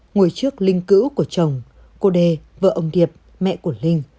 ngồi trước linh cữu của chồng cô đê vợ ông điệp mẹ của linh